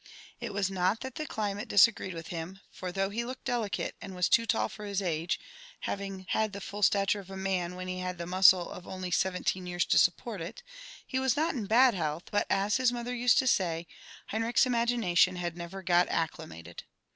It was not that the eli ^ mate disagreed with him ; for though he looked delicate, and was too tall for his age, having had the full stature of a man, when he had the muscle of only seventeen years to support it, he was not in bad health, but, as. his mother used to say, Henrich's imagination had never gdl acciimated.